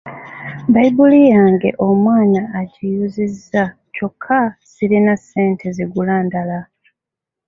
Bayibuli yange omwana agiyuziza kyoka sirina sente zigula ndala.